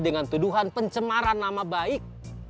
dengan tuduhan pencemaran nama baik